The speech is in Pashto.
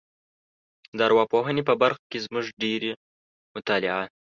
د ارواپوهنې په برخه کې زموږ ډېری مطالعه